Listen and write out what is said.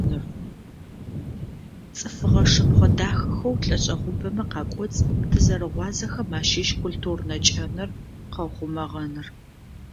Цӏыфыгъэ шэпхъэ дахэхэу лӏэшӏэгъубэмэ къакӏоцӏ тызэрыгъуазэхэм ащыщ культурнэ кӏэныр къэухъумэгъэныр.